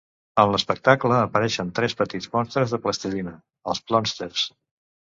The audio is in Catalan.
En l'espectacle apareixen tres petits monstres de plastilina, els Plonsters.